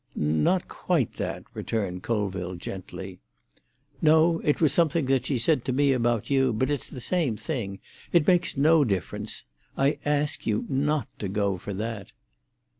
"Not quite that," returned Colville gently. "No; it was something that she said to me about you. But it's the same thing. It makes no difference. I ask you not to go for that."